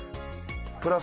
プラス